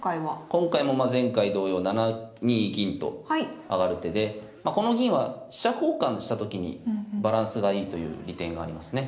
今回も前回同様７二銀と上がる手でこの銀は飛車交換したときにバランスがいいという利点がありますね。